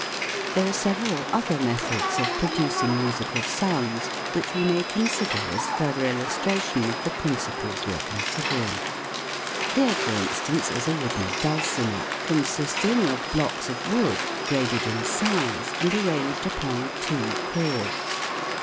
There are several other methods of producing musical sounds which we may consider as further illustration of the principles we are considering. Here, for instance, is a wooden dulcimer, consisting FIG. 34. A wooden " Dulcimer." 62 THE WORLD OF SOUND of blocks of wood, graded in size, and arranged upon two cords.